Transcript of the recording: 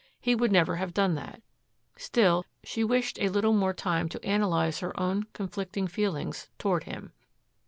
He would never have done that. Still, she wished a little more time to analyze her own conflicting feelings toward him.